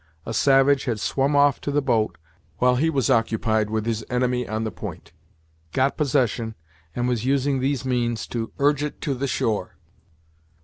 A savage had swum off to the boat while he was occupied with his enemy on the point, got possession, and was using these means to urge it to the shore.